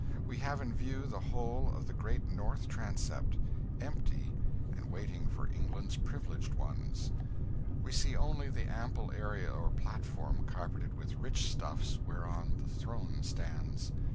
We have in view the whole of the great north transept empty, and waiting for England's privileged ones. We see also the ample area or platform, carpeted with rich stuffs, whereon the throne stands.